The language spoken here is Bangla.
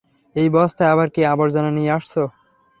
এই বস্তায় আবার কী আবর্জনা নিয়ে আসছো?